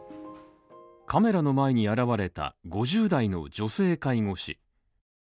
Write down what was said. カメラの前に現れた５０代の女性介護士